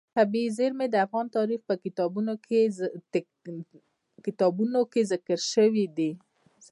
طبیعي زیرمې د افغان تاریخ په کتابونو کې ذکر شوی دي.